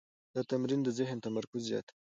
دا تمرین د ذهن تمرکز زیاتوي.